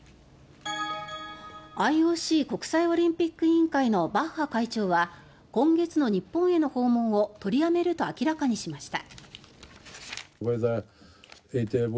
ＩＯＣ・国際オリンピック委員会のバッハ会長は今月の日本への訪問を取りやめると明らかにしました。